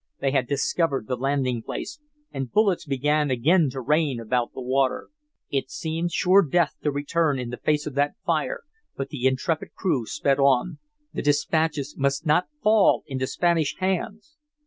They had discovered the landing place, and bullets began again to rain about the water. It seemed sure death to return in the face of that fire, but the intrepid crew sped on. The dispatches must not fall into Spanish hands!